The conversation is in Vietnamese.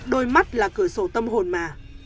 đôi mắt là cửa sổ tâm hồn mà